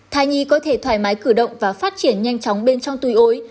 thai nhi có thể thoải mái cử động và phát triển nhanh chóng bên trong túi ối